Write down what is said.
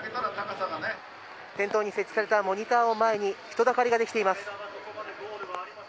店頭に設置されたモニターを前に人だかりができています。